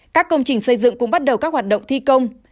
các công trình xây dựng cũng bắt đầu các hoạt động thi công